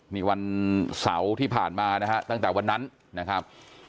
นี่วันเสาร์ที่ผ่านมานะฮะตั้งแต่วันนั้นนะครับ